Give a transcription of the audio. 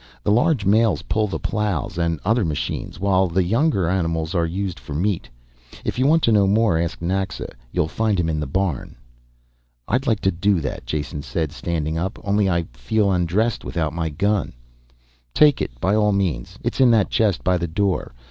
The large males pull the ploughs and other machines, while the younger animals are used for meat. If you want to know more, ask Naxa, you'll find him in the barn." "I'd like to do that," Jason said, standing up. "Only I feel undressed without my gun " "Take it, by all means, it's in that chest by the door.